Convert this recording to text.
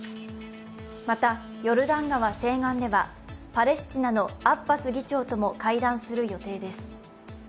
またヨルダン川西岸ではパレスチナのアッバス議長とも会談する予定です。